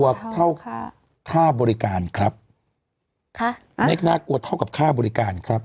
เว็บเจ๊น่ากลัวเท่ากับข้าวบริการครับ